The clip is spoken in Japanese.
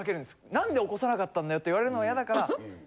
「何で起こさなかったんだよ」って言われるのが嫌だから。